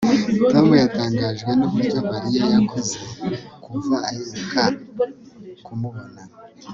tom yatangajwe nuburyo mariya yakuze kuva aheruka kumubona